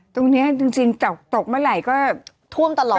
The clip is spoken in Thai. ตรงนี้จริงจากตกเมื่อไหร่ก็ท่วมตลอด